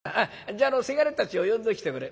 じゃあ伜たちを呼んできておくれ。